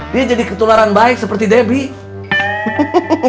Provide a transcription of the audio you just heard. dia jadi ketularan baik seperti debbie